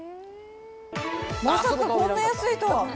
まさかこんな安いとは。